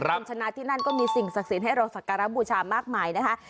คุณชนะที่นั่นก็มีสิ่งศักดิ์สิทธิ์ให้เราสักการะบูชามากมายนะคะ